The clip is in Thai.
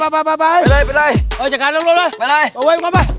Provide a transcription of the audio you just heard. ไปเลย